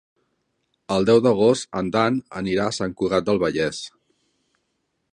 El deu d'agost en Dan anirà a Sant Cugat del Vallès.